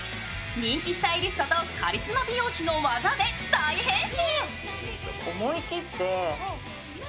人気スタイリストとカリスマ美容師の技で大変身。